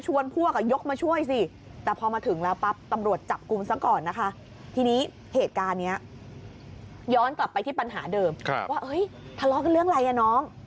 ว่าทะเลาะกันเรื่องอะไรน้อง